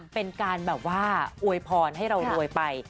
เป็นการแบบว่าอวยพรให้เรารวยไป